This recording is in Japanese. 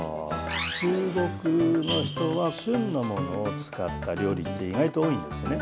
中国の人は旬のものを使った料理って意外と多いんですね。